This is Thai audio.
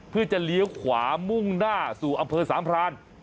เพื่อจะเลี้ยวขวามุ่งหน้าสู่อำเภอสามพราน